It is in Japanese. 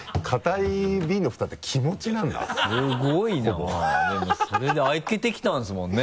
すごいなでもそれで開けてきたんですもんね。